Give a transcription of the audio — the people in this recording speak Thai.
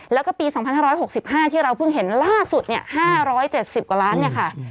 แล้วก็ปี๒๕๖๕ที่เราเพิ่งเห็นล่าสุด๕๗๐กว่าล้านเนี่ยค่ะ